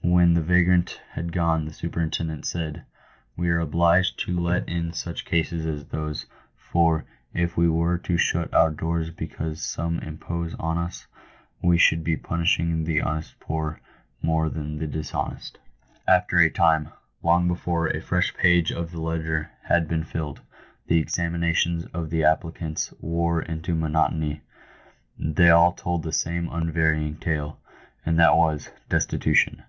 When the vagrant had gone, the superintendent said :" We are ' obliged to let in such cases as those, for, if we were to shut our doors because some impose upon us, we should be punishing the honest poor more than the dishonest." After a time — long before a fresh page of the ledger had been filled — the examinations of the applicants wore into monotony. They all told the same unvarying tale, and that was — "destitution."